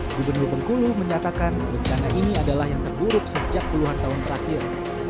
gubernur bengkulu menyatakan bencana ini adalah yang terburuk sejak puluhan tahun terakhir